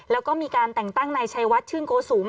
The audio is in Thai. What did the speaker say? แล้วก็มีการแต่งตั้งนายชัยวัดชื่นโกสุม